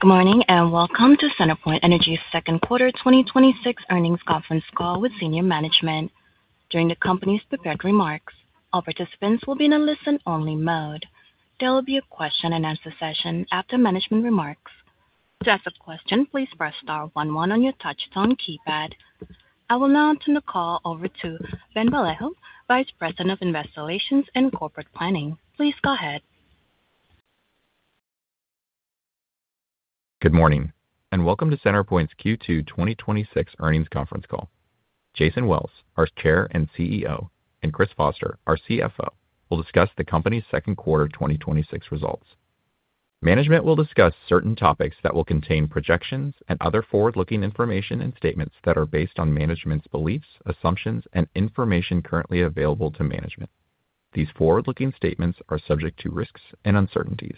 Good morning, welcome to CenterPoint Energy's second quarter 2026 earnings conference call with senior management. During the company's prepared remarks, all participants will be in a listen-only mode. There will be a question-and-answer session after management remarks. To ask a question, please press star one one on your touchtone keypad. I will now turn the call over to Ben Vallejo, Vice President of Investor Relations and Corporate Planning. Please go ahead. Good morning, welcome to CenterPoint's Q2 2026 earnings conference call. Jason Wells, our Chair and CEO, Chris Foster, our CFO, will discuss the company's second quarter 2026 results. Management will discuss certain topics that will contain projections and other forward-looking information and statements that are based on management's beliefs, assumptions, and information currently available to management. These forward-looking statements are subject to risks and uncertainties.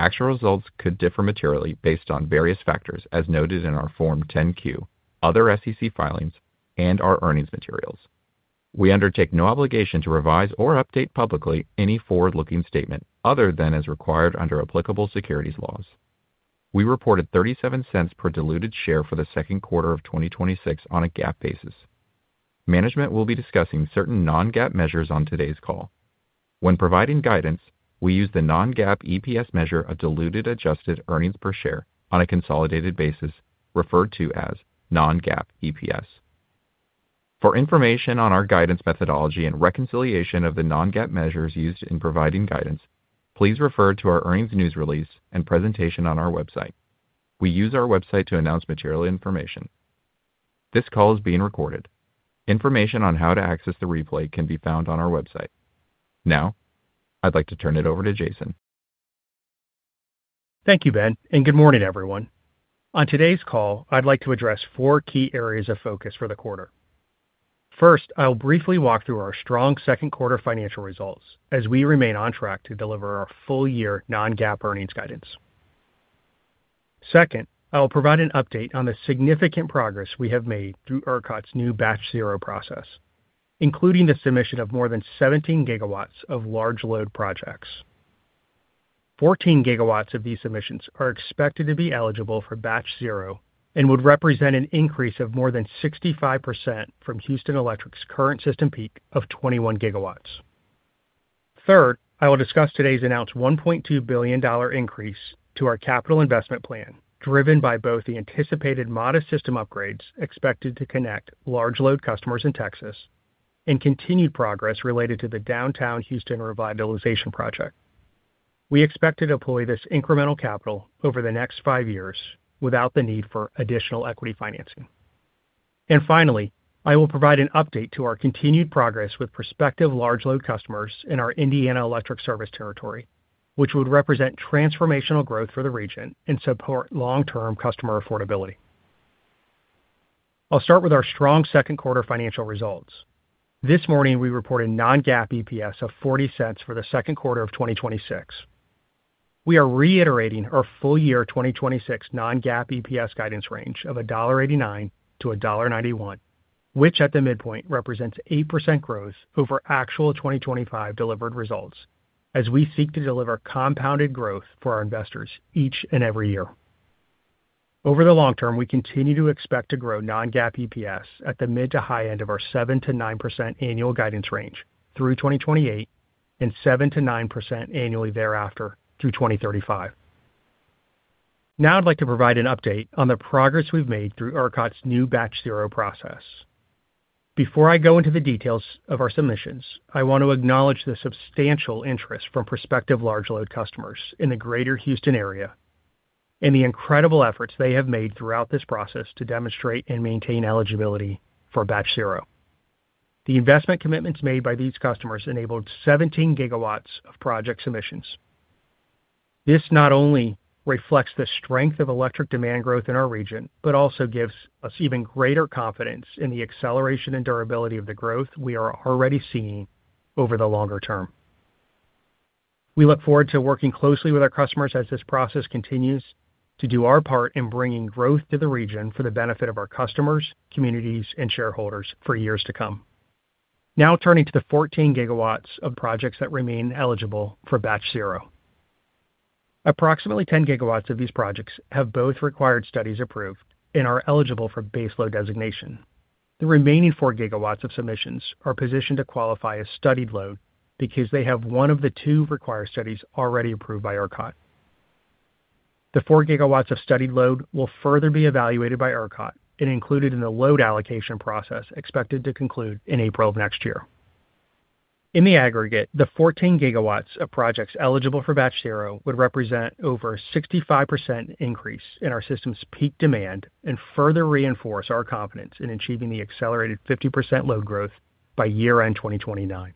Actual results could differ materially, based on various factors as noted in our Form 10-Q, other SEC filings, and our earnings materials. We undertake no obligation to revise or update publicly any forward-looking statement other than as required under applicable securities laws. We reported $0.37 per diluted share for the second quarter of 2026 on a GAAP basis. Management will be discussing certain non-GAAP measures on today's call. When providing guidance, we use the non-GAAP EPS measure of diluted adjusted earnings per share on a consolidated basis, referred to as non-GAAP EPS. For information on our guidance methodology and reconciliation of the non-GAAP measures used in providing guidance, please refer to our earnings news release and presentation on our website. We use our website to announce material information. This call is being recorded. Information on how to access the replay can be found on our website. I'd like to turn it over to Jason. Thank you, Ben, good morning, everyone. On today's call, I'd like to address four key areas of focus for the quarter. First, I'll briefly walk through our strong second quarter financial results as we remain on track to deliver our full year non-GAAP earnings guidance. Second, I will provide an update on the significant progress we have made through ERCOT's new Batch Zero process, including the submission of more than 17 GW of large load projects. 14 GW of these submissions are expected to be eligible for Batch Zero and would represent an increase of more than 65% from Houston Electric's current system peak of 21 GW. Third, I will discuss today's announced $1.2 billion increase to our capital investment plan, driven by both the anticipated modest system upgrades expected to connect large load customers in Texas and continued progress related to the Downtown Houston Revitalization project. We expect to deploy this incremental capital over the next five years without the need for additional equity financing. Finally, I will provide an update to our continued progress with prospective large load customers in our Indiana Electric service territory, which would represent transformational growth for the region and support long-term customer affordability. I'll start with our strong second quarter financial results. This morning, we reported non-GAAP EPS of $0.40 for the second quarter of 2026. We are reiterating our full year 2026 non-GAAP EPS guidance range of $1.89-$1.91, which at the midpoint represents 8% growth over actual 2025 delivered results as we seek to deliver compounded growth for our investors each and every year. Over the long term, we continue to expect to grow non-GAAP EPS at the mid-to-high end of our 7%-9% annual guidance range through 2028 and 7%-9% annually thereafter through 2035. Now I'd like to provide an update on the progress we've made through ERCOT's new Batch Zero process. Before I go into the details of our submissions, I want to acknowledge the substantial interest from prospective large load customers in the greater Houston area and the incredible efforts they have made throughout this process to demonstrate and maintain eligibility for Batch Zero. The investment commitments made by these customers enabled 17 GW of project submissions. This not only reflects the strength of electric demand growth in our region, but also gives us even greater confidence in the acceleration and durability of the growth we are already seeing over the longer term. We look forward to working closely with our customers as this process continues to do our part in bringing growth to the region for the benefit of our customers, communities, and shareholders for years to come. Turning to the 14 GW of projects that remain eligible for Batch Zero. Approximately 10 GW of these projects have both required studies approved and are eligible for base load designation. The remaining 4 GW of submissions are positioned to qualify as studied load because they have one of the two required studies already approved by ERCOT. The 4 GW of studied load will further be evaluated by ERCOT and included in the load allocation process expected to conclude in April of next year. In the aggregate, the 14 GW of projects eligible for Batch Zero would represent over a 65% increase in our system's peak demand and further reinforce our confidence in achieving the accelerated 50% load growth by year-end 2029.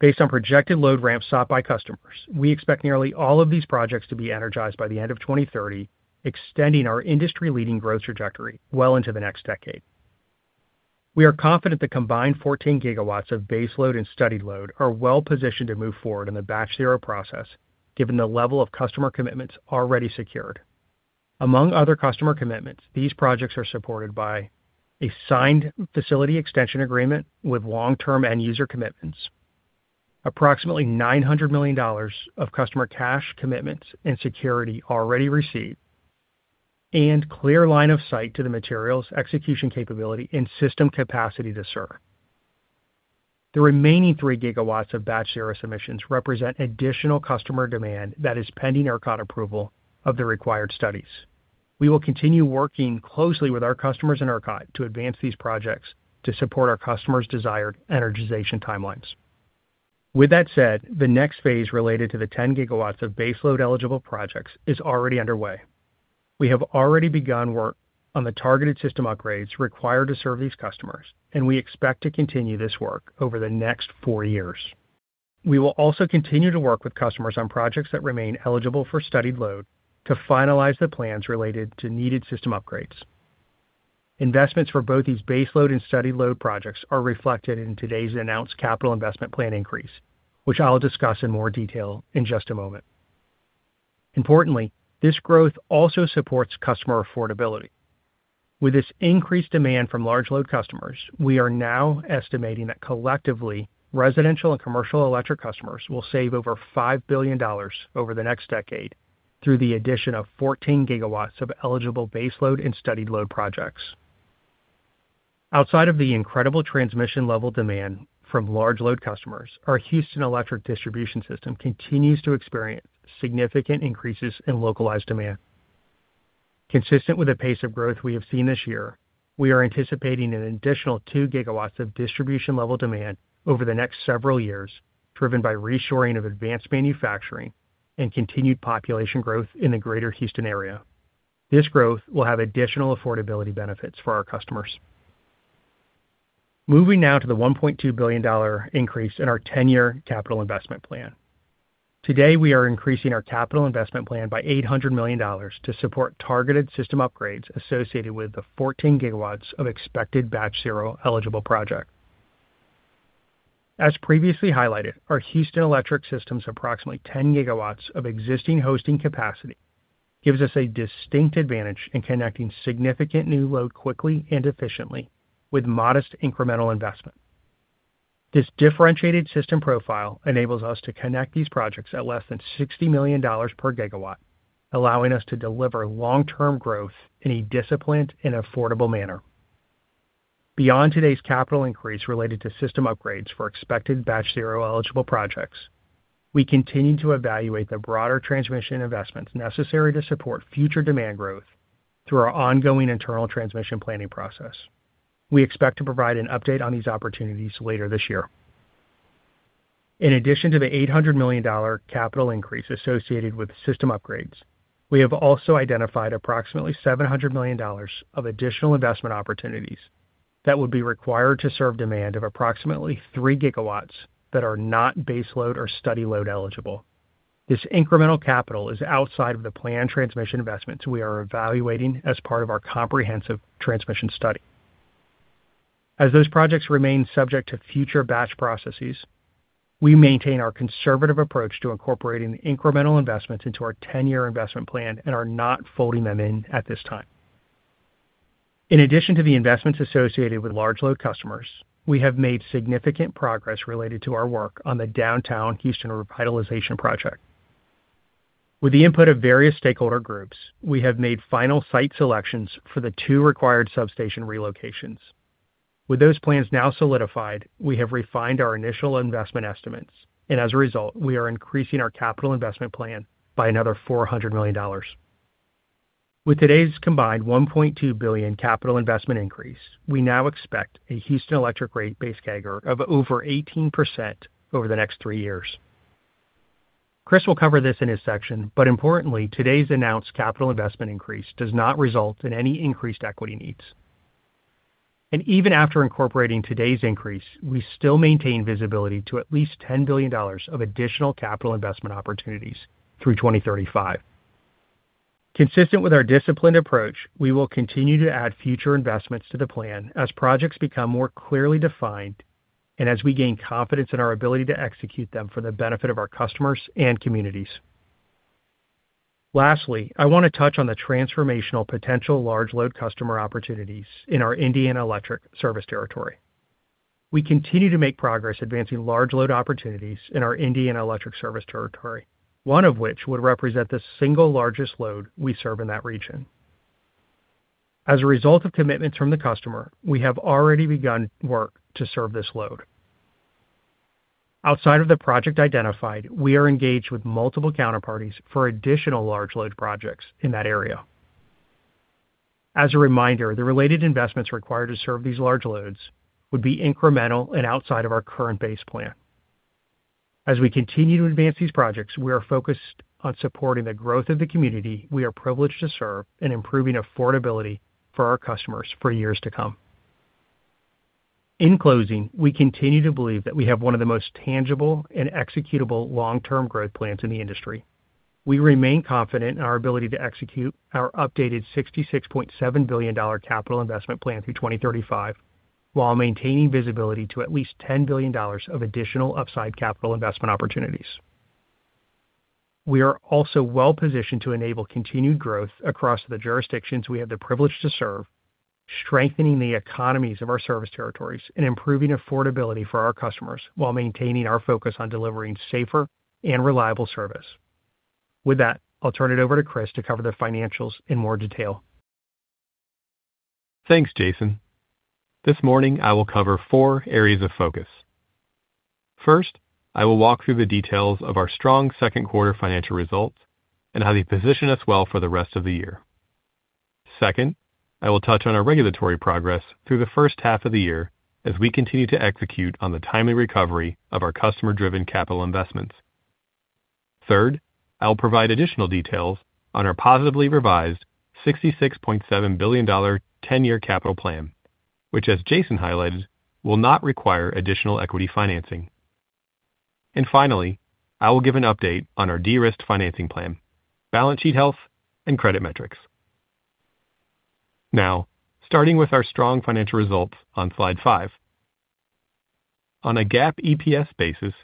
Based on projected load ramps sought by customers, we expect nearly all of these projects to be energized by the end of 2030, extending our industry-leading growth trajectory well into the next decade. We are confident the combined 14 GW of base load and studied load are well-positioned to move forward in the Batch Zero process given the level of customer commitments already secured. Among other customer commitments, these projects are supported by a signed Facilities Extension Agreement with long-term end user commitments. Approximately $900 million of customer cash commitments and security already received, and clear line of sight to the materials, execution capability, and system capacity to serve. The remaining 3 GW of Batch Zero submissions represent additional customer demand that is pending ERCOT approval of the required studies. We will continue working closely with our customers and ERCOT to advance these projects to support our customers' desired energization timelines. With that said, the next phase related to the 10 GW of base load-eligible projects is already underway. We have already begun work on the targeted system upgrades required to serve these customers, and we expect to continue this work over the next four years. We will also continue to work with customers on projects that remain eligible for studied load to finalize the plans related to needed system upgrades. Investments for both these base load and studied load projects are reflected in today's announced capital investment plan increase, which I'll discuss in more detail in just a moment. Importantly, this growth also supports customer affordability. With this increased demand from large load customers, we are now estimating that collectively, residential and commercial electric customers will save over $5 billion over the next decade through the addition of 14 GW of eligible base load and studied load projects. Outside of the incredible transmission-level demand from large load customers, our Houston Electric distribution system continues to experience significant increases in localized demand. Consistent with the pace of growth we have seen this year, we are anticipating an additional 2 GW of distribution-level demand over the next several years, driven by reshoring of advanced manufacturing and continued population growth in the greater Houston area. This growth will have additional affordability benefits for our customers. Moving now to the $1.2 billion increase in our 10-year capital investment plan. Today, we are increasing our capital investment plan by $800 million to support targeted system upgrades associated with the 14 GW of expected Batch Zero eligible projects. As previously highlighted, our Houston Electric system's approximately 10 GW of existing hosting capacity gives us a distinct advantage in connecting significant new load quickly and efficiently with modest incremental investment. This differentiated system profile enables us to connect these projects at less than $60 million per gigawatt, allowing us to deliver long-term growth in a disciplined and affordable manner. Beyond today's capital increase related to system upgrades for expected Batch Zero eligible projects, we continue to evaluate the broader transmission investments necessary to support future demand growth through our ongoing internal transmission planning process. We expect to provide an update on these opportunities later this year. In addition to the $800 million capital increase associated with system upgrades, we have also identified approximately $700 million of additional investment opportunities that would be required to serve demand of approximately 3 GW that are not base load or studied load eligible. This incremental capital is outside of the planned transmission investments we are evaluating as part of our comprehensive transmission study. As those projects remain subject to future batch processes, we maintain our conservative approach to incorporating incremental investments into our 10-year investment plan and are not folding them in at this time. In addition to the investments associated with large load customers, we have made significant progress related to our work on the Downtown Houston Revitalization Project. With the input of various stakeholder groups, we have made final site selections for the two required substation relocations. With those plans now solidified, we have refined our initial investment estimates. As a result, we are increasing our capital investment plan by another $400 million. With today's combined $1.2 billion capital investment increase, we now expect a Houston Electric rate base CAGR of over 18% over the next three years. Chris will cover this in his section. Importantly, today's announced capital investment increase does not result in any increased equity needs. Even after incorporating today's increase, we still maintain visibility to at least $10 billion of additional capital investment opportunities through 2035. Consistent with our disciplined approach, we will continue to add future investments to the plan as projects become more clearly defined and as we gain confidence in our ability to execute them for the benefit of our customers and communities. Lastly, I want to touch on the transformational potential large load customer opportunities in our Indiana Electric service territory. We continue to make progress advancing large load opportunities in our Indiana Electric service territory, one of which would represent the single largest load we serve in that region. As a result of commitments from the customer, we have already begun work to serve this load. Outside of the project identified, we are engaged with multiple counterparties for additional large load projects in that area. As a reminder, the related investments required to serve these large loads would be incremental and outside of our current base plan. As we continue to advance these projects, we are focused on supporting the growth of the community we are privileged to serve and improving affordability for our customers for years to come. In closing, we continue to believe that we have one of the most tangible and executable long-term growth plans in the industry. We remain confident in our ability to execute our updated $66.7 billion capital investment plan through 2035 while maintaining visibility to at least $10 billion of additional upside capital investment opportunities. We are also well-positioned to enable continued growth across the jurisdictions we have the privilege to serve, strengthening the economies of our service territories and improving affordability for our customers while maintaining our focus on delivering safer and reliable service. With that, I'll turn it over to Chris to cover the financials in more detail. Thanks, Jason. This morning, I will cover four areas of focus. First, I will walk through the details of our strong second quarter financial results and how they position us well for the rest of the year. Second, I will touch on our regulatory progress through the first half of the year as we continue to execute on the timely recovery of our customer-driven capital investments. Third, I will provide additional details on our positively revised $66.7 billion 10-year capital plan, which, as Jason highlighted, will not require additional equity financing. Finally, I will give an update on our de-risked financing plan, balance sheet health, and credit metrics. Now, starting with our strong financial results on slide five. On a GAAP EPS basis,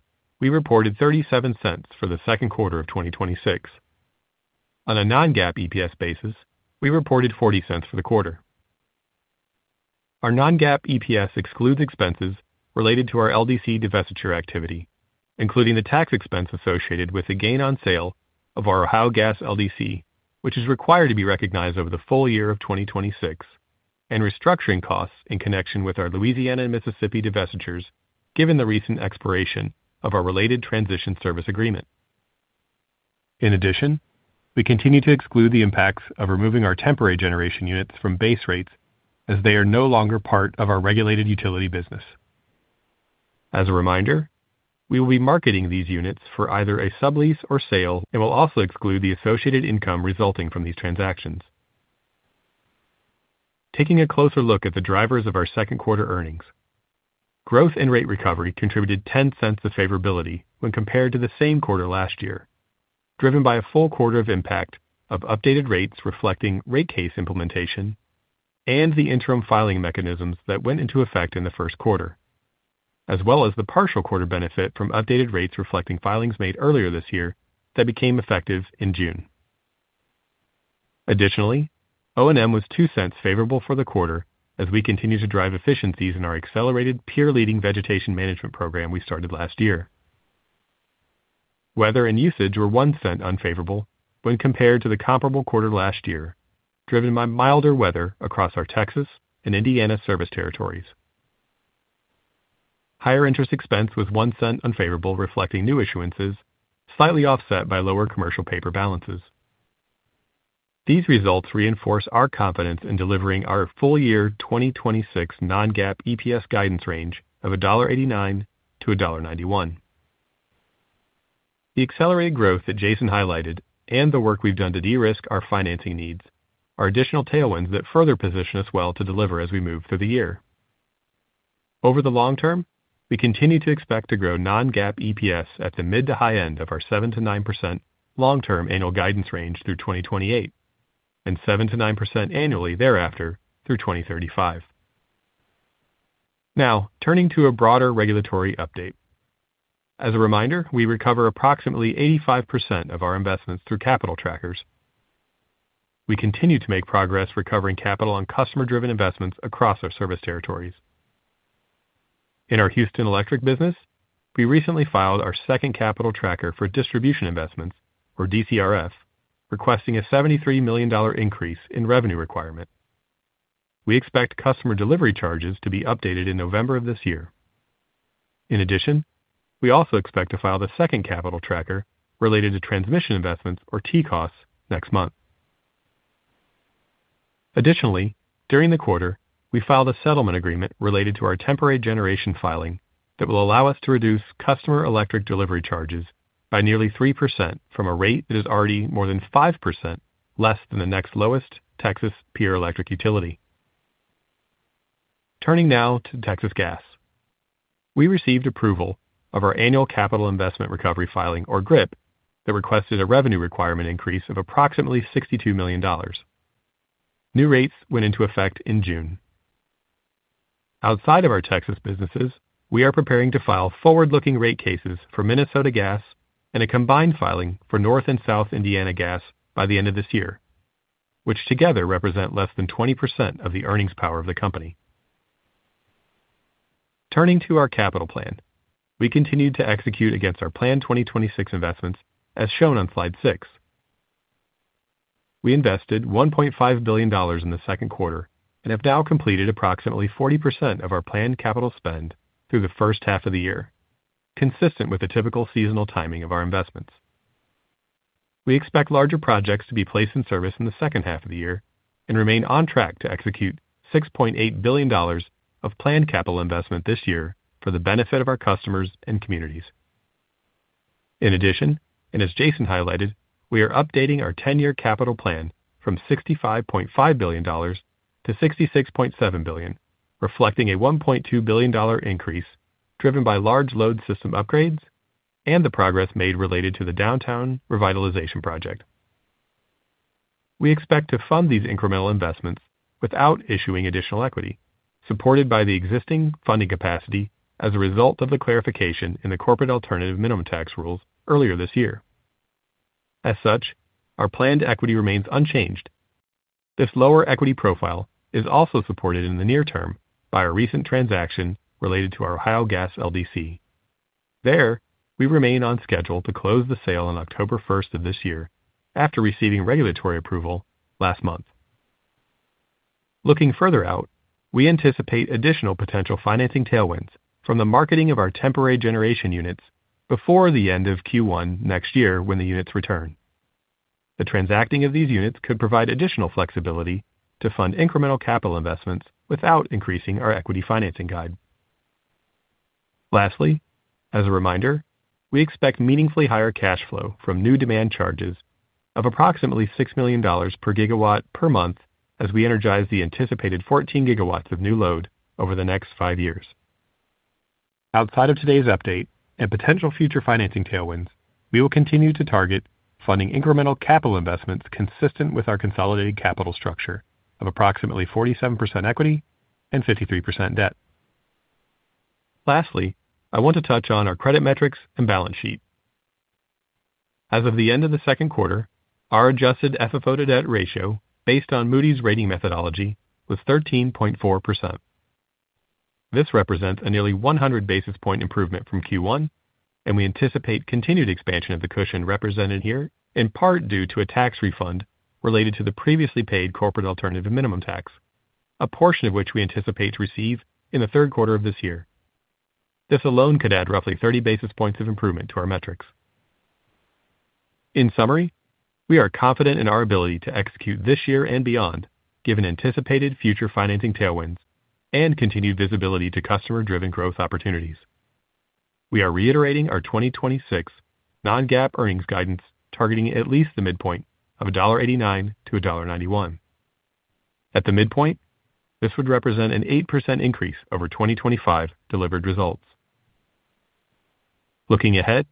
we reported $0.37 for the second quarter of 2026. On a non-GAAP EPS basis, we reported $0.40 for the quarter. Our non-GAAP EPS excludes expenses related to our LDC divestiture activity, including the tax expense associated with the gain on sale of our Ohio Gas LDC, which is required to be recognized over the full year of 2026, and restructuring costs in connection with our Louisiana and Mississippi divestitures, given the recent expiration of our related transition service agreement. In addition, we continue to exclude the impacts of removing our temporary generation units from base rates as they are no longer part of our regulated utility business. As a reminder, we will be marketing these units for either a sublease or sale and will also exclude the associated income resulting from these transactions. Taking a closer look at the drivers of our second quarter earnings. Growth in rate recovery contributed $0.10 of favorability when compared to the same quarter last year, driven by a full quarter of impact of updated rates reflecting rate case implementation and the interim filing mechanisms that went into effect in the first quarter, as well as the partial quarter benefit from updated rates reflecting filings made earlier this year that became effective in June. Additionally, O&M was $0.02 favorable for the quarter as we continue to drive efficiencies in our accelerated peer-leading vegetation management program we started last year. Weather and usage were $0.01 unfavorable when compared to the comparable quarter last year, driven by milder weather across our Texas and Indiana service territories. Higher interest expense was $0.01 unfavorable, reflecting new issuances, slightly offset by lower commercial paper balances. These results reinforce our confidence in delivering our full-year 2026 non-GAAP EPS guidance range of $1.89-$1.91. The accelerated growth that Jason highlighted and the work we've done to de-risk our financing needs are additional tailwinds that further position us well to deliver as we move through the year. Over the long term, we continue to expect to grow non-GAAP EPS at the mid to high end of our 7%-9% long-term annual guidance range through 2028, and 7%-9% annually thereafter through 2035. Now, turning to a broader regulatory update. As a reminder, we recover approximately 85% of our investments through capital trackers. We continue to make progress recovering capital on customer-driven investments across our service territories. In our Houston Electric business, we recently filed our second capital tracker for distribution investments, or DCRF, requesting a $73 million increase in revenue requirement. We expect customer delivery charges to be updated in November of this year. In addition, we also expect to file the second capital tracker related to transmission investments, or TCOS, next month. Additionally, during the quarter, we filed a settlement agreement related to our temporary generation filing that will allow us to reduce customer electric delivery charges by nearly 3% from a rate that is already more than 5% less than the next lowest Texas peer electric utility. Turning now to Texas Gas. We received approval of our annual capital investment recovery filing, or GRIP, that requested a revenue requirement increase of approximately $62 million. New rates went into effect in June. Outside of our Texas businesses, we are preparing to file forward-looking rate cases for Minnesota Gas and a combined filing for North and South Indiana Gas by the end of this year, which together represent less than 20% of the earnings power of the company. Turning to our capital plan. We continued to execute against our planned 2026 investments, as shown on slide six. We invested $1.5 billion in the second quarter and have now completed approximately 40% of our planned capital spend through the first half of the year, consistent with the typical seasonal timing of our investments. We expect larger projects to be placed in service in the second half of the year and remain on track to execute $6.8 billion of planned capital investment this year for the benefit of our customers and communities. In addition, as Jason highlighted, we are updating our 10-year capital plan from $65.5 billion-$66.7 billion, reflecting a $1.2 billion increase driven by large load system upgrades and the progress made related to the Downtown Houston Revitalization project. We expect to fund these incremental investments without issuing additional equity, supported by the existing funding capacity as a result of the clarification in the Corporate Alternative Minimum Tax rules earlier this year. As such, our planned equity remains unchanged. This lower equity profile is also supported in the near term by a recent transaction related to our Ohio Gas LDC. There, we remain on schedule to close the sale on October 1st of this year after receiving regulatory approval last month. Looking further out, we anticipate additional potential financing tailwinds from the marketing of our temporary generation units before the end of Q1 next year when the units return. The transacting of these units could provide additional flexibility to fund incremental capital investments without increasing our equity financing guide. Lastly, as a reminder, we expect meaningfully higher cash flow from new demand charges of approximately $6 million per gigawatt per month as we energize the anticipated 14 GW of new load over the next five years. Outside of today's update and potential future financing tailwinds, we will continue to target funding incremental capital investments consistent with our consolidated capital structure of approximately 47% equity and 53% debt. Lastly, I want to touch on our credit metrics and balance sheet. As of the end of the second quarter, our adjusted FFO to debt ratio, based on Moody's rating methodology, was 13.4%. This represents a nearly 100 basis point improvement from Q1, and we anticipate continued expansion of the cushion represented here, in part due to a tax refund related to the previously paid Corporate Alternative Minimum Tax, a portion of which we anticipate to receive in the third quarter of this year. This alone could add roughly 30 basis points of improvement to our metrics. In summary, we are confident in our ability to execute this year and beyond, given anticipated future financing tailwinds and continued visibility to customer-driven growth opportunities. We are reiterating our 2026 non-GAAP earnings guidance targeting at least the midpoint of $1.89-$1.91. At the midpoint, this would represent an 8% increase over 2025 delivered results. Looking ahead,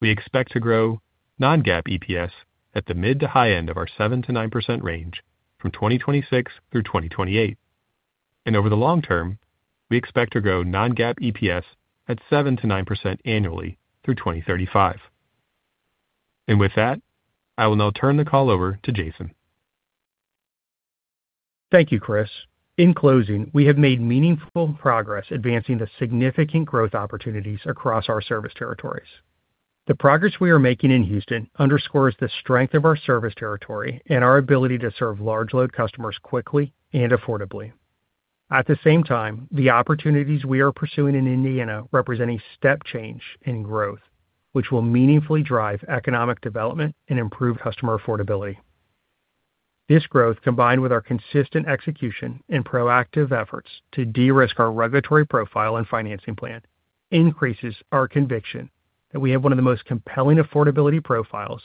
we expect to grow non-GAAP EPS at the mid to high end of our 7%-9% range from 2026 through 2028. Over the long term, we expect to grow non-GAAP EPS at 7%-9% annually through 2035. With that, I will now turn the call over to Jason. Thank you, Chris. In closing, we have made meaningful progress advancing the significant growth opportunities across our service territories. The progress we are making in Houston underscores the strength of our service territory and our ability to serve large load customers quickly and affordably. At the same time, the opportunities we are pursuing in Indiana represent a step change in growth, which will meaningfully drive economic development and improve customer affordability. This growth, combined with our consistent execution and proactive efforts to de-risk our regulatory profile and financing plan, increases our conviction that we have one of the most compelling affordability profiles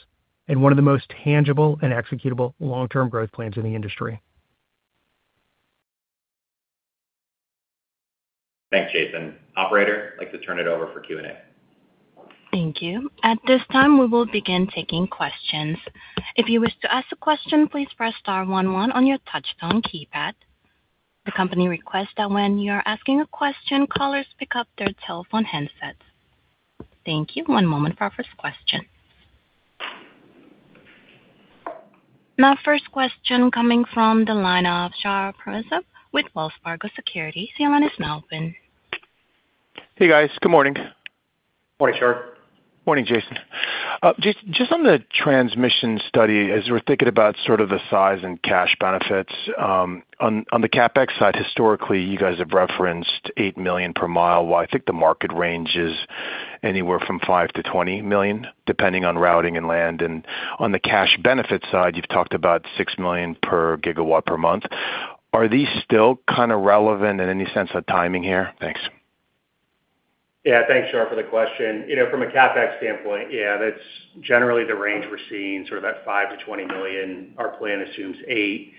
and one of the most tangible and executable long-term growth plans in the industry. Thanks, Jason. Operator, I'd like to turn it over for Q&A. Thank you. At this time, we will begin taking questions. If you wish to ask a question, please press star one one on your touchtone keypad. The company requests that when you are asking a question, callers pick up their telephone handsets. Thank you. One moment for our first question. Our first question coming from the line of Shar Pourreza with Wells Fargo Securities. Your line is now open. Hey, guys. Good morning. Morning, Shar. Morning, Jason. Jason, just on the transmission study, as we're thinking about sort of the size and cash benefits, on the CapEx side, historically, you guys have referenced $8 million per mile, while I think the market range is anywhere from $5 million-$20 million, depending on routing and land. On the cash benefit side, you've talked about $6 million per gigawatt per month. Are these still kind of relevant in any sense of timing here? Thanks. Yeah. Thanks, Shar, for the question. From a CapEx standpoint, yeah, that's generally the range we're seeing, sort of that $5 million-$20 million. Our plan assumes $8.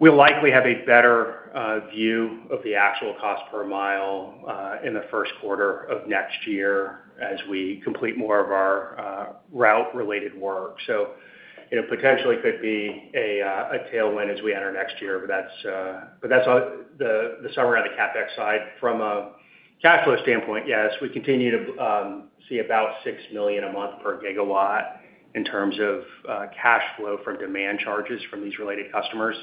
We'll likely have a better view of the actual cost per mile in the first quarter of next year as we complete more of our route-related work. It potentially could be a tailwind as we enter next year. That's the summary on the CapEx side. From a cash flow standpoint, yes, we continue to see about $6 million a month per gigawatt in terms of cash flow from demand charges from these related customers.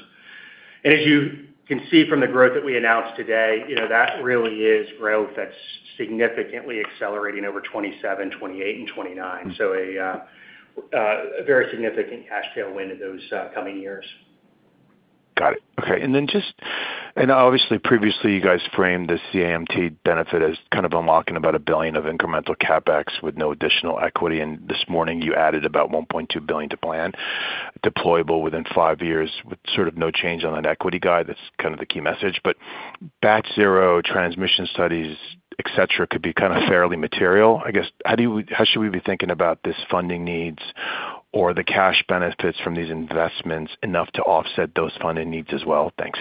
As you can see from the growth that we announced today, that really is growth that's significantly accelerating over 2027, 2028, and 2029. A very significant cash tailwind in those coming years. Got it. Okay. Obviously, previously, you guys framed the CAMT benefit as kind of unlocking about $1 billion of incremental CapEx with no additional equity, and this morning you added about $1.2 billion to plan, deployable within five years with sort of no change on that equity guide. That's kind of the key message. Batch Zero transmission studies, et cetera, could be kind of fairly material. I guess, how should we be thinking about this funding needs or the cash benefits from these investments enough to offset those funding needs as well? Thanks.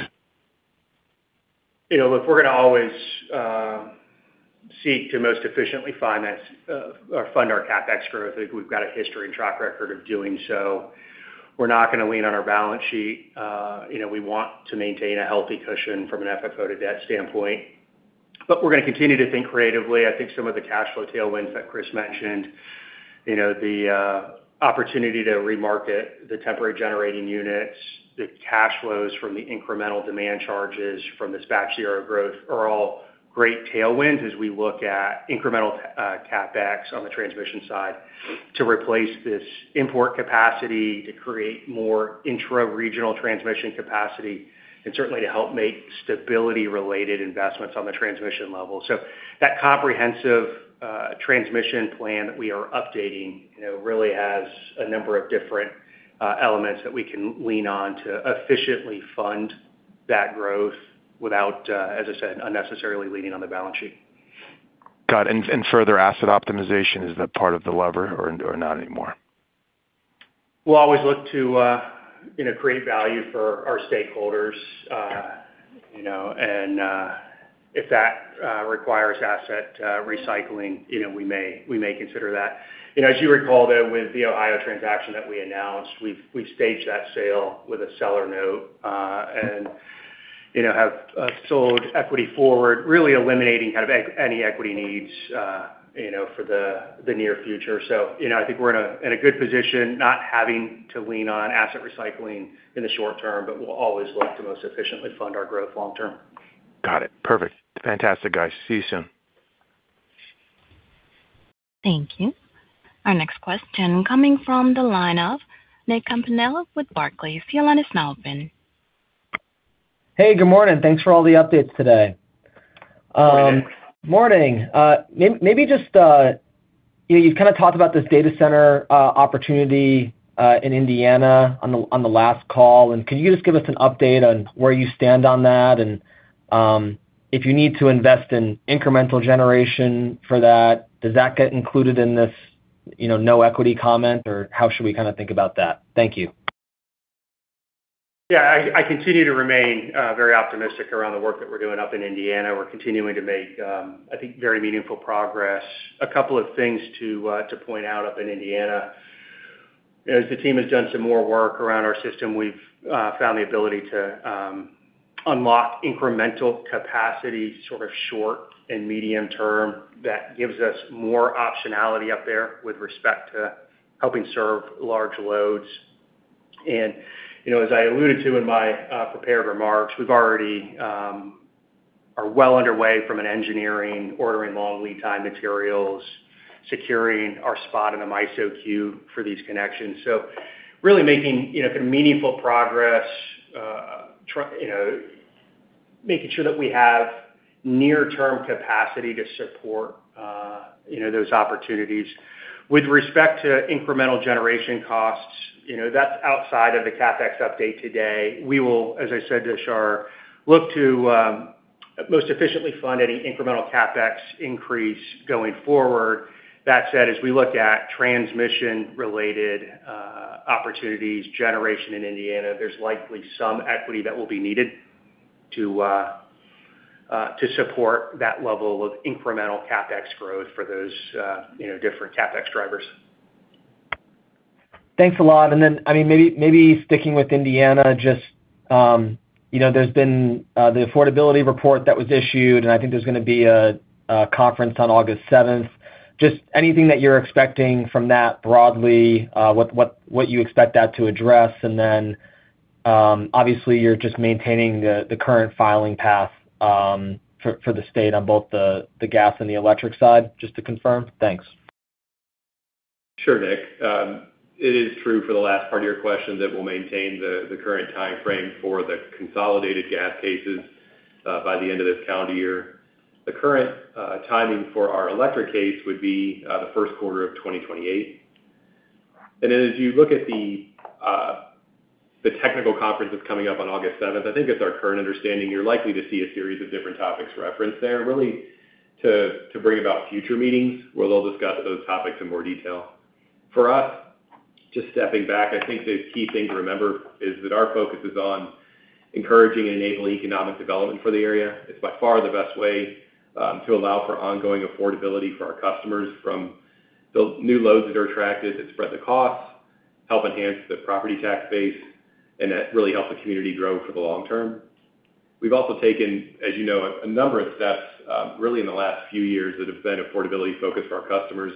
Look, we're going to always seek to most efficiently fund our CapEx growth. I think we've got a history and track record of doing so. We're not going to lean on our balance sheet. We want to maintain a healthy cushion from an FFO to debt standpoint. We're going to continue to think creatively. I think some of the cash flow tailwinds that Chris mentioned, the opportunity to remarket the temporary generating units, the cash flows from the incremental demand charges from the Batch Zero growth are all great tailwinds as we look at incremental CapEx on the transmission side to replace this import capacity, to create more intra-regional transmission capacity, and certainly to help make stability-related investments on the transmission level. That comprehensive transmission plan that we are updating really has a number of different elements that we can lean on to efficiently fund that growth without, as I said, unnecessarily leaning on the balance sheet. Got it. Further asset optimization, is that part of the lever or not anymore? We'll always look to create value for our stakeholders. If that requires asset recycling, we may consider that. As you recall, though, with the Ohio transaction that we announced, we've staged that sale with a seller note, and have sold equity forward, really eliminating any equity needs for the near future. I think we're in a good position not having to lean on asset recycling in the short term, but we'll always look to most efficiently fund our growth long term. Got it. Perfect. Fantastic, guys. See you soon. Thank you. Our next question coming from the line of Nick Campanella with Barclays. Your line is now open. Hey, good morning. Thanks for all the updates today. Good morning, Nick. Morning. You've kind of talked about this data center opportunity in Indiana on the last call. Could you just give us an update on where you stand on that? If you need to invest in incremental generation for that, does that get included in this no equity comment? How should we think about that? Thank you. Yeah, I continue to remain very optimistic around the work that we're doing up in Indiana. We're continuing to make, I think, very meaningful progress. A couple of things to point out up in Indiana. As the team has done some more work around our system, we've found the ability to unlock incremental capacity, sort of short and medium term, that gives us more optionality up there with respect to helping serve large loads. As I alluded to in my prepared remarks, we already are well underway from an engineering, ordering long lead time materials, securing our spot in the MISO queue for these connections. Really making meaningful progress, making sure that we have near-term capacity to support those opportunities. With respect to incremental generation costs, that's outside of the CapEx update today. We will, as I said to Shar, look to most efficiently fund any incremental CapEx increase going forward. That said, as we look at transmission-related opportunities, generation in Indiana, there's likely some equity that will be needed to support that level of incremental CapEx growth for those different CapEx drivers. Maybe sticking with Indiana, there's been the affordability report that was issued, and I think there's going to be a conference on August 7th. Just anything that you're expecting from that broadly, what you expect that to address? Obviously, you're just maintaining the current filing path for the state on both the gas and the electric side, just to confirm? Thanks. Sure, Nick. It is true for the last part of your question that we'll maintain the current timeframe for the consolidated gas cases by the end of this calendar year. The current timing for our electric case would be the first quarter of 2028. As you look at the technical conference that's coming up on August 7th, I think it's our current understanding you're likely to see a series of different topics referenced there really to bring about future meetings where they'll discuss those topics in more detail. For us, just stepping back, I think the key thing to remember is that our focus is on encouraging and enabling economic development for the area. It's by far the best way to allow for ongoing affordability for our customers from the new loads that are attracted that spread the costs, help enhance the property tax base, and that really helps the community grow for the long term. We've also taken, as you know, a number of steps really in the last few years that have been affordability-focused for our customers.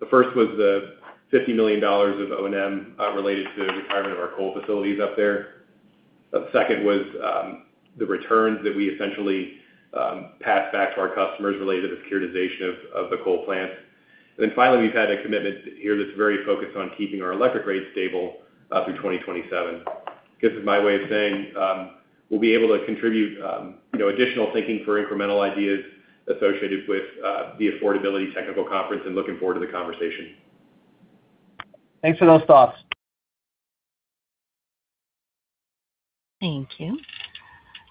The first was the $50 million of O&M related to the retirement of our coal facilities up there. The second was the returns that we essentially passed back to our customers related to the securitization of the coal plant. Finally, we've had a commitment here that's very focused on keeping our electric rates stable through 2027. Guess it's my way of saying we'll be able to contribute additional thinking for incremental ideas associated with the affordability technical conference and looking forward to the conversation. Thanks for those thoughts. Thank you.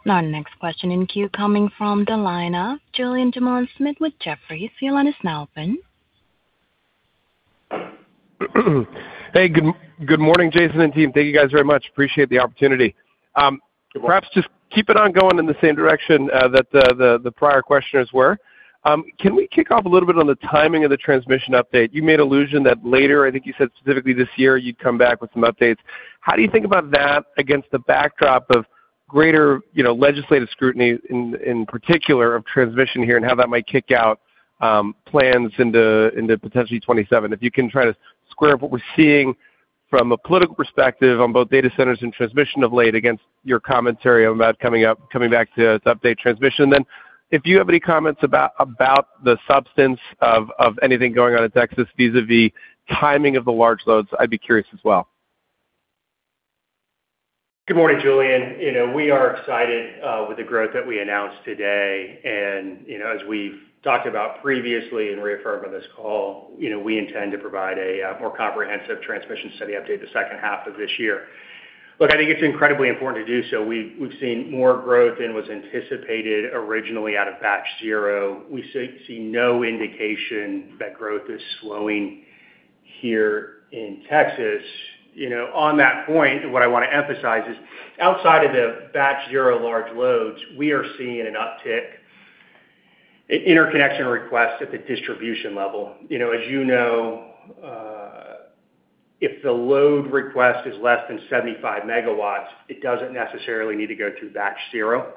Our next question in queue coming from the line of Julien Dumoulin-Smith with Jefferies. Your line is now open. Hey, good morning, Jason and team. Thank you guys very much. Appreciate the opportunity. Good morning. Perhaps just keep it on going in the same direction that the prior questioners were. Can we kick off a little bit on the timing of the transmission update? You made allusion that later, I think you said specifically this year, you'd come back with some updates. How do you think about that against the backdrop of greater legislative scrutiny, in particular of transmission here, and how that might kick out plans into potentially 2027? If you can try to square up what we're seeing from a political perspective on both data centers and transmission of late against your commentary about coming back to update transmission. If you have any comments about the substance of anything going on in Texas vis-a-vis timing of the large loads, I'd be curious as well. Good morning, Julien. We are excited with the growth that we announced today. As we've talked about previously and reaffirmed on this call, we intend to provide a more comprehensive transmission study update the second half of this year. Look, I think it's incredibly important to do so. We've seen more growth than was anticipated originally out of Batch Zero. We see no indication that growth is slowing here in Texas. On that point, what I want to emphasize is, outside of the Batch Zero large loads, we are seeing an uptick in interconnection requests at the distribution level. As you know, if the load request is less than 75 megawatts, it doesn't necessarily need to go through Batch Zero.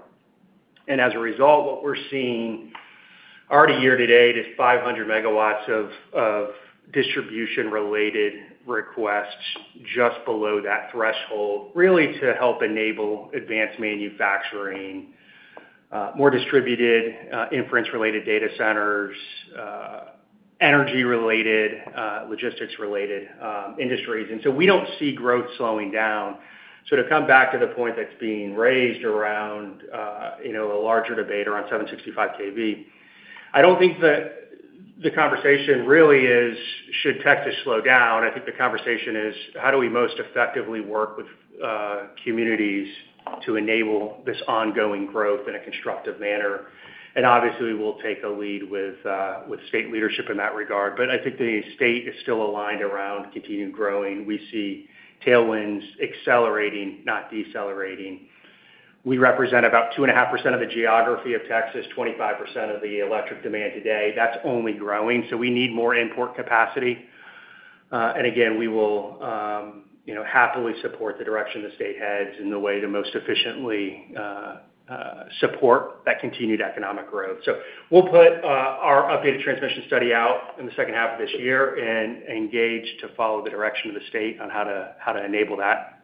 As a result, what we're seeing already year to date is 500 megawatts of distribution-related requests just below that threshold, really to help enable advanced manufacturing, more distributed inference-related data centers, energy-related, logistics-related industries. We don't see growth slowing down. To come back to the point that's being raised around a larger debate around 765 kV, I don't think that the conversation really is should Texas slow down. I think the conversation is how do we most effectively work with communities to enable this ongoing growth in a constructive manner? Obviously, we'll take a lead with state leadership in that regard. I think the state is still aligned around continued growing. We see tailwinds accelerating, not decelerating. We represent about two and a half % of the geography of Texas, 25% of the electric demand today. That's only growing, we need more import capacity. Again, we will happily support the direction the state heads and the way to most efficiently support that continued economic growth. We'll put our updated transmission study out in the second half of this year and engage to follow the direction of the state on how to enable that.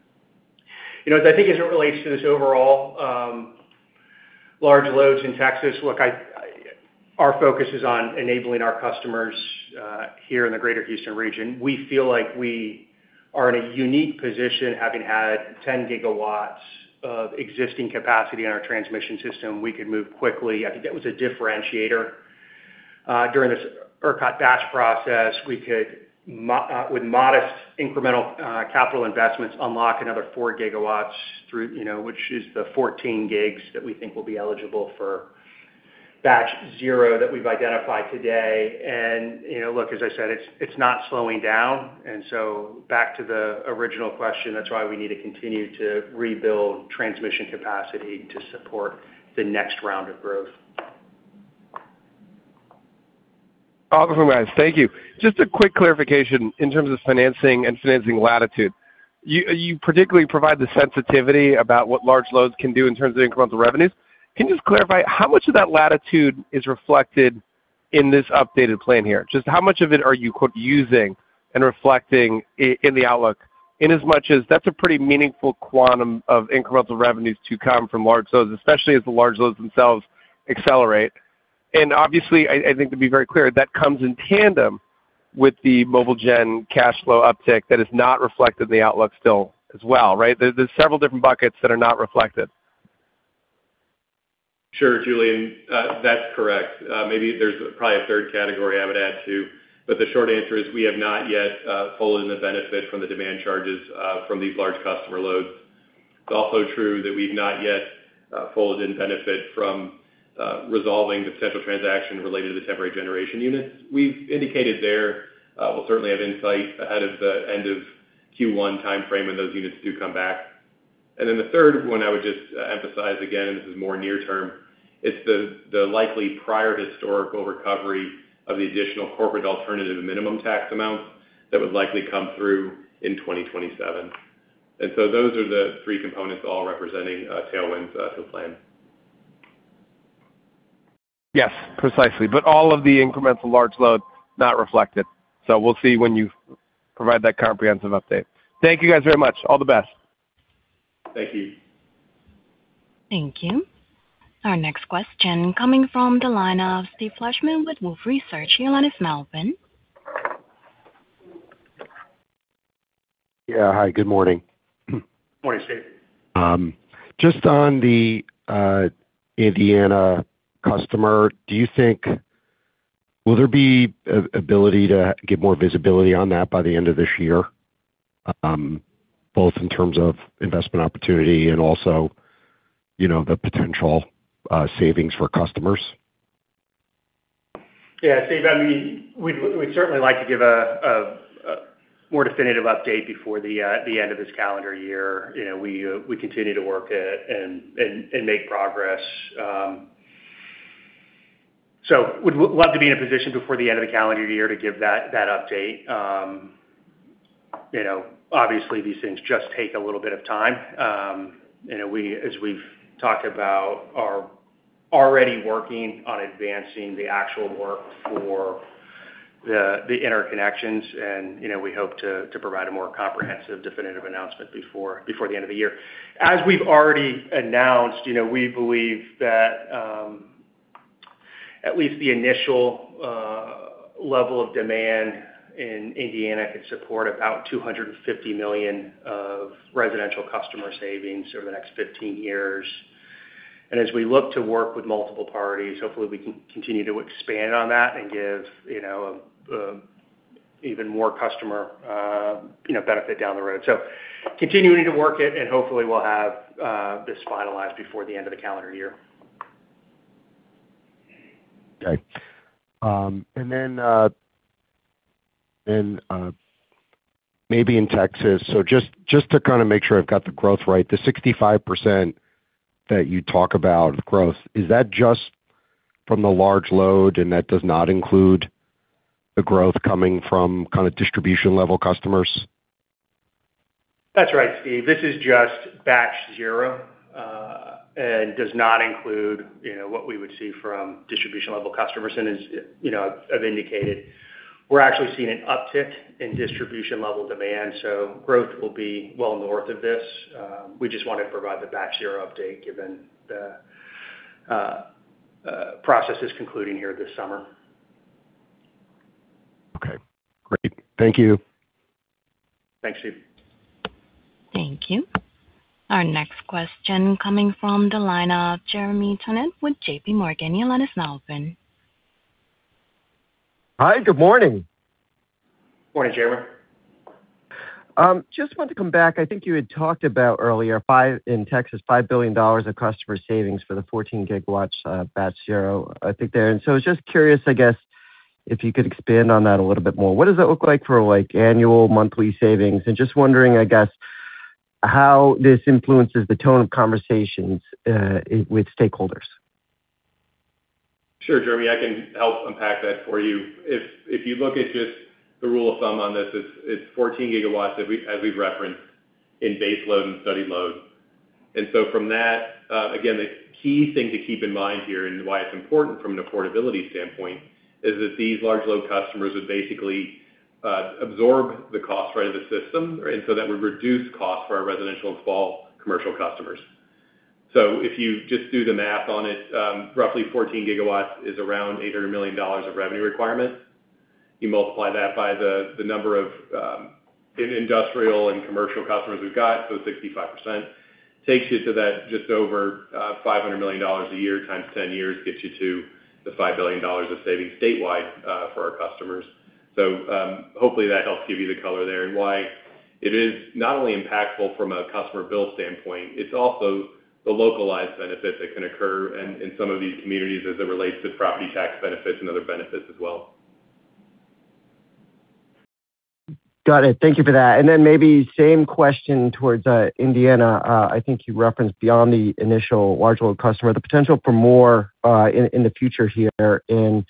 As I think as it relates to this overall large loads in Texas, look, our focus is on enabling our customers, here in the Greater Houston region. We feel like we are in a unique position having had 10 GW of existing capacity on our transmission system. We could move quickly. I think that was a differentiator. During this ERCOT Batch process, we could, with modest incremental capital investments, unlock another 4 GW, which is the 14 gigs that we think will be eligible for Batch Zero that we've identified today. Look, as I said, it's not slowing down. Back to the original question, that's why we need to continue to rebuild transmission capacity to support the next round of growth. Awesome, guys. Thank you. Just a quick clarification in terms of financing and financing latitude. You particularly provide the sensitivity about what large loads can do in terms of incremental revenues. Can you just clarify how much of that latitude is reflected in this updated plan here? Just how much of it are you, quote, "using" and reflecting in the outlook, inasmuch as that's a pretty meaningful quantum of incremental revenues to come from large loads, especially as the large loads themselves accelerate. Obviously, I think to be very clear, that comes in tandem with the mobile Gen cash flow uptick that is not reflected in the outlook still as well, right? There's several different buckets that are not reflected. Sure, Julien. That's correct. Maybe there's probably a third category I would add too, the short answer is we have not yet folded in the benefit from the demand charges from these large customer loads. It's also true that we've not yet folded in benefit from resolving the potential transaction related to the temporary generation units. We've indicated there we'll certainly have insight ahead of the end of Q1 timeframe when those units do come back. The third one I would just emphasize, again, this is more near term, it's the likely prior historical recovery of the additional Corporate Alternative Minimum Tax amount that would likely come through in 2027. Those are the three components all representing tailwinds to the plan. Yes, precisely. All of the incremental large loads, not reflected. We'll see when you provide that comprehensive update. Thank you guys very much. All the best. Thank you. Thank you. Our next question coming from the line of Steve Fleishman with Wolfe Research. Your line is now open. Yeah. Hi, good morning. Morning, Steve. Just on the Indiana customer, will there be ability to get more visibility on that by the end of this year, both in terms of investment opportunity and also the potential savings for customers? Yeah, Steve, we'd certainly like to give a more definitive update before the end of this calendar year. We continue to work and make progress. We'd love to be in a position before the end of the calendar year to give that update. Obviously, these things just take a little bit of time. As we've talked about, we are already working on advancing the actual work for the interconnections and we hope to provide a more comprehensive, definitive announcement before the end of the year. As we've already announced, we believe that at least the initial level of demand in Indiana could support about $250 million of residential customer savings over the next 15 years. As we look to work with multiple parties, hopefully we can continue to expand on that and give even more customer benefit down the road. Continuing to work it, hopefully we'll have this finalized before the end of the calendar year. Okay. Maybe in Texas, just to make sure I've got the growth right, the 65% that you talk about of growth, is that just from the large load and that does not include the growth coming from distribution-level customers? That's right, Steve. This is just batch zero, and does not include what we would see from distribution-level customers. As I've indicated, we're actually seeing an uptick in distribution-level demand, so growth will be well north of this. We just wanted to provide the Batch Zero update given the process is concluding here this summer. Okay, great. Thank you. Thanks, Steve. Thank you. Our next question coming from the line of Jeremy Tonet with JPMorgan. Your line is now open. Hi, good morning. Morning, Jeremy. Just wanted to come back. I think you had talked about earlier, in Texas, $5 billion of customer savings for the 14 GW Batch Zero, I think there. I was just curious, I guess, if you could expand on that a little bit more. What does that look like for annual monthly savings? Just wondering, I guess, how this influences the tone of conversations with stakeholders. Sure, Jeremy, I can help unpack that for you. If you look at just the rule of thumb on this, it's 14 GW as we've referenced in base load and studied load. From that, again, the key thing to keep in mind here and why it's important from an affordability standpoint is that these large load customers would basically absorb the cost of the system, That would reduce cost for our residential and small commercial customers. If you just do the math on it, roughly 14 GW is around $800 million of revenue requirement. You multiply that by the number of industrial and commercial customers we've got, so 65%, takes you to that just over $500 million a year times 10 years gets you to the $5 billion of savings statewide for our customers. Hopefully that helps give you the color there and why it is not only impactful from a customer bill standpoint, it is also the localized benefit that can occur in some of these communities as it relates to property tax benefits and other benefits as well. Got it. Thank you for that. Then maybe same question towards Indiana. I think you referenced beyond the initial large load customer, the potential for more in the future here, and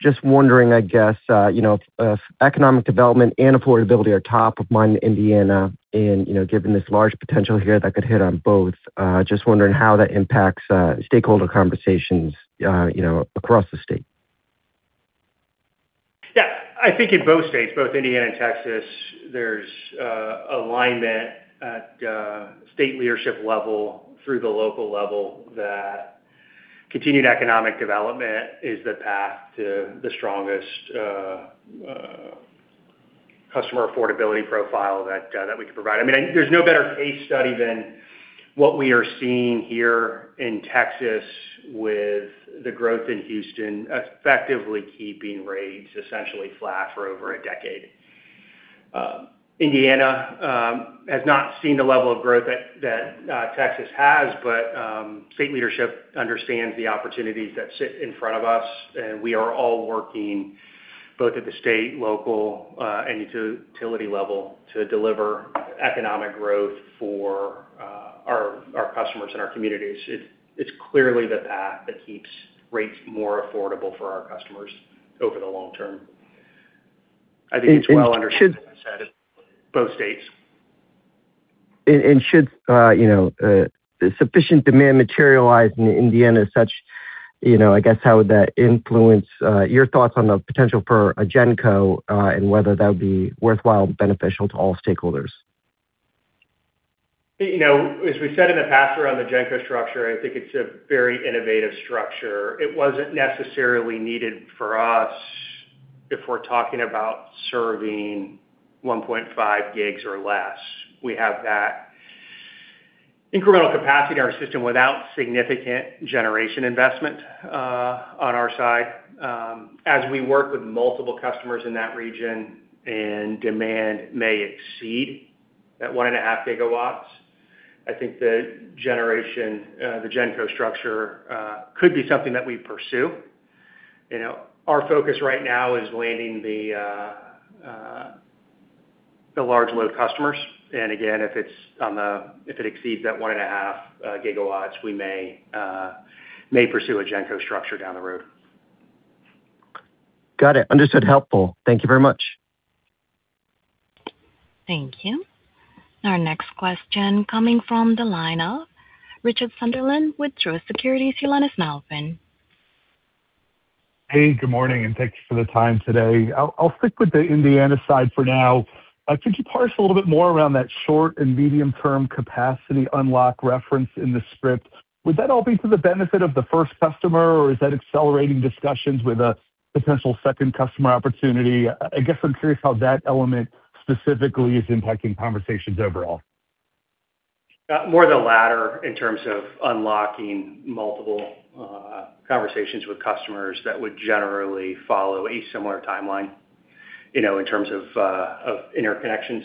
just wondering, I guess, if economic development and affordability are top of mind in Indiana and, given this large potential here, that could hit on both. Just wondering how that impacts stakeholder conversations across the state. Yeah. I think in both states, both Indiana and Texas, there is alignment at state leadership level through the local level that continued economic development is the path to the strongest customer affordability profile that we can provide. There is no better case study than what we are seeing here in Texas with the growth in Houston, effectively keeping rates essentially flat for over a decade. Indiana has not seen the level of growth that Texas has, state leadership understands the opportunities that sit in front of us, and we are all working both at the state, local, and utility level to deliver economic growth for our customers and our communities. It is clearly the path that keeps rates more affordable for our customers over the long term. I think it is well understood, as I said, in both states. Should sufficient demand materialize in Indiana as such, I guess how would that influence your thoughts on the potential for a GenCo, and whether that would be worthwhile and beneficial to all stakeholders? As we said in the past around the GenCo structure, I think it's a very innovative structure. It wasn't necessarily needed for us if we're talking about serving 1.5 gigs or less. We have that incremental capacity in our system without significant generation investment on our side. As we work with multiple customers in that region and demand may exceed that 1.5 GW. I think the GenCo structure could be something that we pursue. Our focus right now is landing the large load customers and again, if it exceeds that 1.5 GW, we may pursue a GenCo structure down the road. Got it. Understood. Helpful. Thank you very much. Thank you. Our next question coming from the line of Richard Sunderland with Truist Securities. Your line is now open. Hey, good morning, and thank you for the time today. I'll stick with the Indiana side for now. Could you parse a little bit more around that short and medium-term capacity unlock reference in the script? Would that all be for the benefit of the first customer, or is that accelerating discussions with a potential second customer opportunity? I guess I'm curious how that element specifically is impacting conversations overall. More the latter in terms of unlocking multiple conversations with customers that would generally follow a similar timeline in terms of interconnections.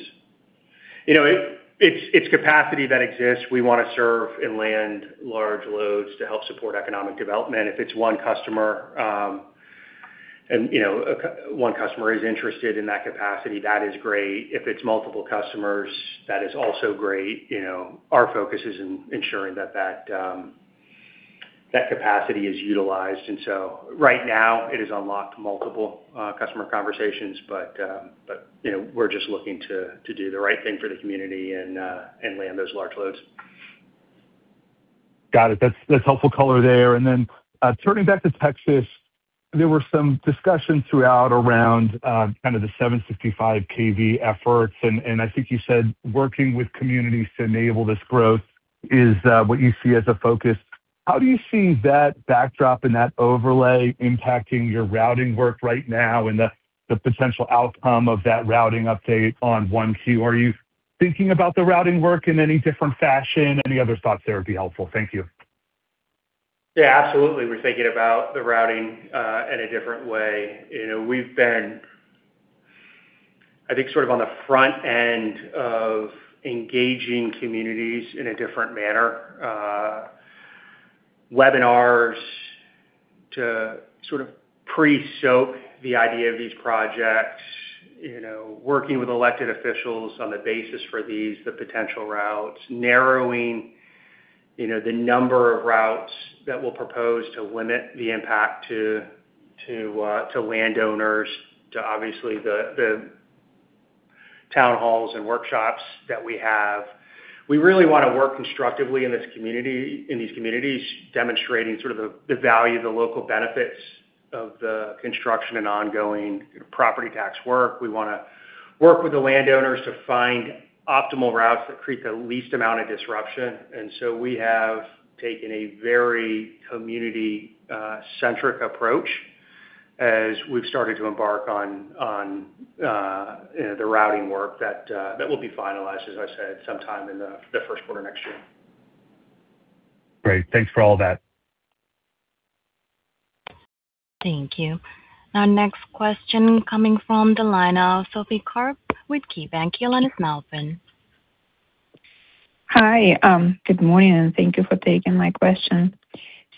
It's capacity that exists. We want to serve and land large loads to help support economic development. If it's one customer, and one customer is interested in that capacity, that is great. If it's multiple customers, that is also great. Our focus is in ensuring that capacity is utilized. Right now it has unlocked multiple customer conversations, but we're just looking to do the right thing for the community and land those large loads. That's helpful color there. Turning back to Texas, there were some discussions throughout around kind of the 765 kV efforts, and I think you said working with communities to enable this growth is what you see as a focus. How do you see that backdrop and that overlay impacting your routing work right now and the potential outcome of that routing update on 1Q? Are you thinking about the routing work in any different fashion? Any other thoughts there would be helpful. Thank you. Yeah, absolutely. We're thinking about the routing in a different way. We've been on the front end of engaging communities in a different manner. Webinars to pre-soak the idea of these projects, working with elected officials on the basis for these, the potential routes, narrowing the number of routes that we'll propose to limit the impact to landowners to obviously the town halls and workshops that we have. We really want to work constructively in these communities, demonstrating the value, the local benefits of the construction and ongoing property tax work. We want to work with the landowners to find optimal routes that create the least amount of disruption. We have taken a very community-centric approach as we've started to embark on the routing work that will be finalized, as I said, sometime in the first quarter next year. Great. Thanks for all that. Thank you. Our next question coming from the line of Sophie Karp with KeyBank. Your line is now open. Hi, good morning, and thank you for taking my question.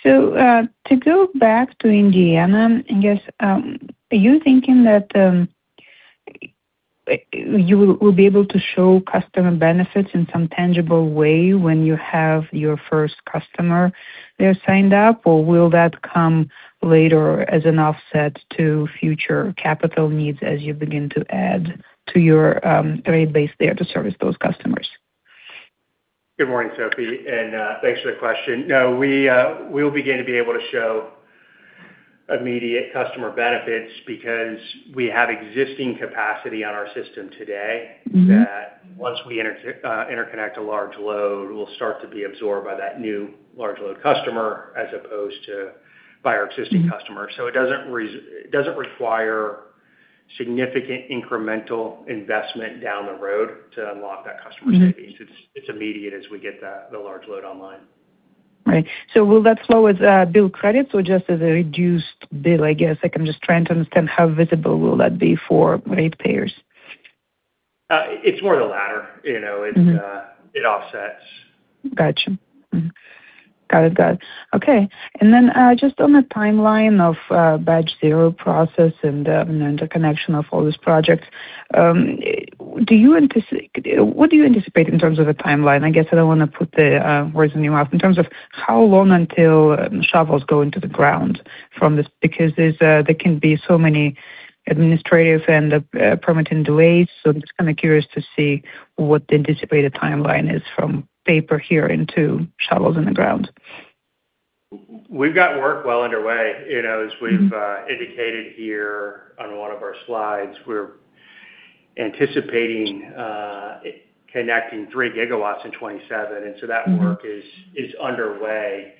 To go back to Indiana, I guess, are you thinking that you will be able to show customer benefits in some tangible way when you have your first customer there signed up? Will that come later as an offset to future capital needs as you begin to add to your rate base there to service those customers? Good morning, Sophie, and thanks for the question. No, we'll begin to be able to show immediate customer benefits because we have existing capacity on our system today. that once we interconnect a large load, will start to be absorbed by that new large load customer as opposed to by our existing. customers. It doesn't require significant incremental investment down the road to unlock that customer savings. It's immediate as we get the large load online. Right. Will that flow as bill credits or just as a reduced bill, I guess? I'm just trying to understand how visible will that be for ratepayers. It's more the latter. It offsets. Got you. Got it. Okay. Just on the timeline of Batch Zero process and the interconnection of all these projects, what do you anticipate in terms of the timeline? I guess I don't want to put the words in your mouth. In terms of how long until shovels go into the ground from this? There can be so many administrative and permitting delays, I'm just kind of curious to see what the anticipated timeline is from paper here into shovels in the ground. We've got work well underway. As we've indicated here on one of our slides, we're anticipating connecting 3 GW in 2027. That work is underway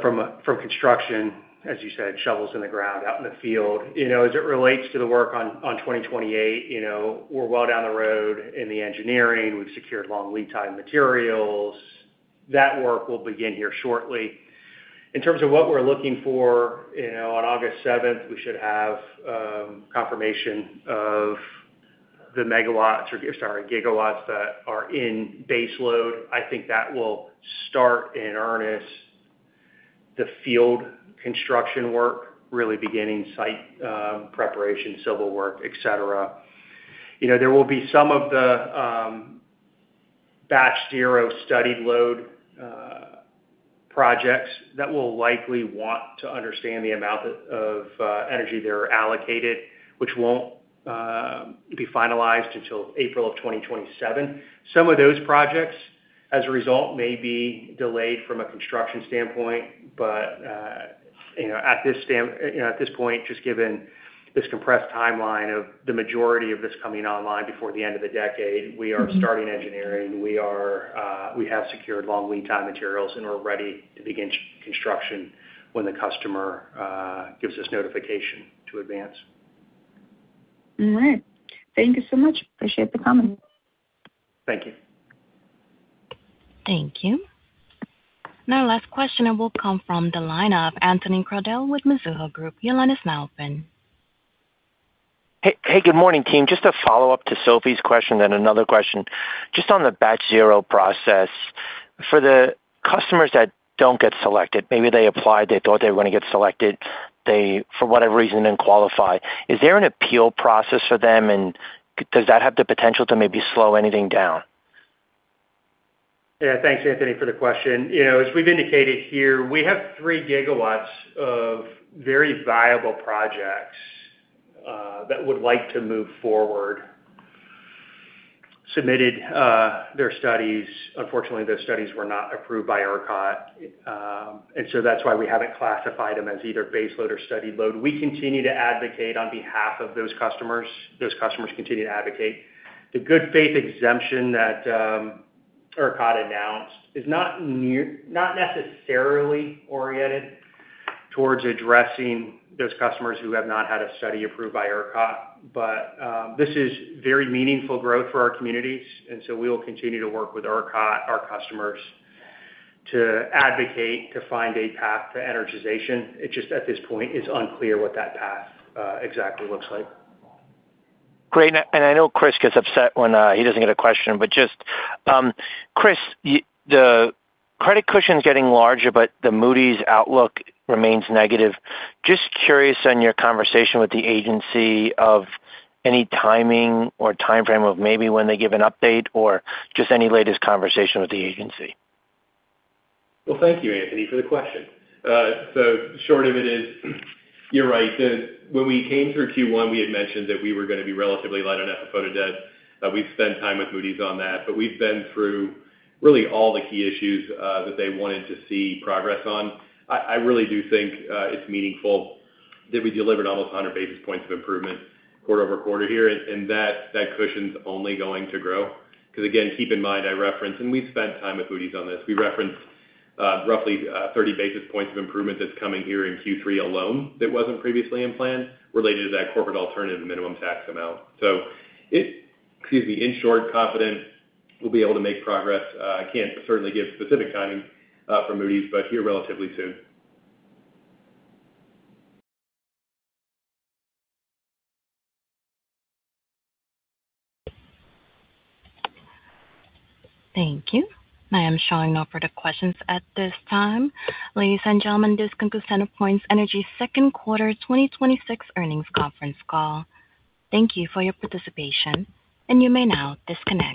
from construction, as you said, shovels in the ground out in the field. As it relates to the work on 2028, we're well down the road in the engineering. We've secured long lead time material. That work will begin here shortly. In terms of what we're looking for, on August seventh, we should have confirmation of the gigawatt that are in base load. I think that will start in earnest the field construction work, really beginning site preparation, civil work, et cetera. There will be some of the Batch Zero studied load projects that will likely want to understand the amount of energy they're allocated, which won't be finalized until April 2027. Some of those projects, as a result, may be delayed from a construction standpoint. At this point, just given this compressed timeline of the majority of this coming online before the end of the decade, we are starting engineering. We have secured long lead time materials, we're ready to begin construction when the customer gives us notification to advance. All right. Thank you so much. Appreciate the comment. Thank you. Thank you. Last question will come from the line of Anthony Crowdell with Mizuho Group. Your line is now open. Hey, good morning, team. Just a follow-up to Sophie's question, then another question. Just on the Batch Zero process, for the customers that don't get selected, maybe they applied, they thought they were going to get selected, they, for whatever reason, didn't qualify. Is there an appeal process for them, and does that have the potential to maybe slow anything down? Yeah. Thanks, Anthony, for the question. As we've indicated here, we have 3 GW of very viable projects that would like to move forward. Submitted their studies. Unfortunately, those studies were not approved by ERCOT. That's why we haven't classified them as either base load or studied load. We continue to advocate on behalf of those customers. Those customers continue to advocate. The good faith exemption that ERCOT announced is not necessarily oriented towards addressing those customers who have not had a study approved by ERCOT. This is very meaningful growth for our communities, and we will continue to work with ERCOT, our customers, to advocate to find a path to energization. It's just at this point, it's unclear what that path exactly looks like. Great. I know Chris gets upset when he doesn't get a question. Just, Chris, the credit cushion's getting larger, but the Moody's outlook remains negative. Just curious on your conversation with the agency of any timing or timeframe of maybe when they give an update or just any latest conversation with the agency. Well, thank you, Anthony, for the question. Short of it is, you're right. When we came through Q1, we had mentioned that we were going to be relatively light on FFO debt. We've spent time with Moody's on that. We've been through really all the key issues that they wanted to see progress on. I really do think it's meaningful that we delivered almost 100 basis points of improvement quarter-over-quarter here, and that cushion's only going to grow. Again, keep in mind, I referenced, and we've spent time with Moody's on this. We referenced roughly 30 basis points of improvement that's coming here in Q3 alone that wasn't previously in plan, related to that Corporate Alternative Minimum Tax amount. In short, confident we'll be able to make progress. I can't certainly give specific timing for Moody's, but here relatively soon. Thank you. I am showing no further questions at this time. Ladies and gentlemen, this concludes CenterPoint Energy's second quarter 2026 earnings conference call. Thank you for your participation, and you may now disconnect.